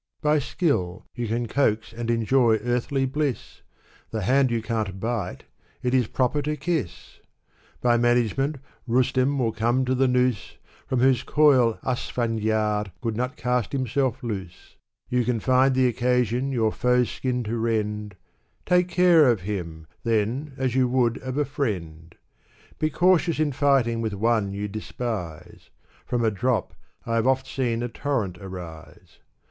By skill, you can coax and enjoy earthly bliss ; The hand you can't bite, it is proper to kiss ! By management, Rustem will come to the noose, From whose coil, Asfandyar^ could not cast himself loose. You can find the occasion your foe's skin to rend ; Take care of him ! then, as you would of a friend. Be cautious in fighting with one you despise ! From a drop, I have oft seen a torrent arise.